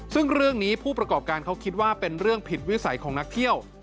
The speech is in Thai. ซึ่งเรื่องนี้ผู้ประกอบการเขาคิดว่าเป็นเรื่องผิดวิสัยของนักเที่ยว